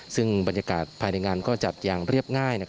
ซึ่งบรรยากาศภายในงานก็จัดอย่างเรียบง่าย